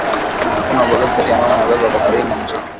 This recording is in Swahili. Akuna ubaguzi kati ya mama na baba kwaku rima mashamba